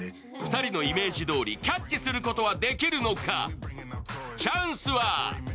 ２人のイメージどおりキャッチすることはできるのか。